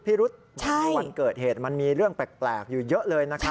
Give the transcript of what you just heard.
วันเกิดเหตุมันมีเรื่องแปลกอยู่เยอะเลยนะครับ